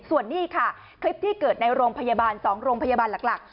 ส่วนนี้ค่ะคลิปที่เกิดในโรงพยาบาล๒โรงพยาบาลหลัก